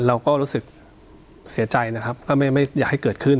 เราก็รู้สึกเสียใจนะครับก็ไม่อยากให้เกิดขึ้น